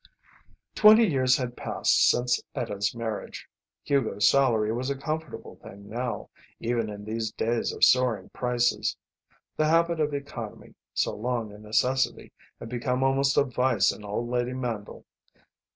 Twelve years had passed since Etta's marriage. Hugo's salary was a comfortable thing now, even in these days of soaring prices. The habit of economy, so long a necessity, had become almost a vice in old lady Mandle.